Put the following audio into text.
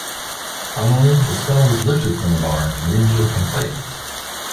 Finally, the spell is lifted from the bar and Angel can fight.